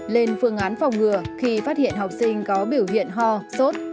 lên phương án phòng ngừa khi phát hiện học sinh có biểu hiện ho sốt